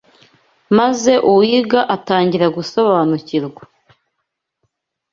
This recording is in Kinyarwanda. maze uwiga agatangira gusobanukirwa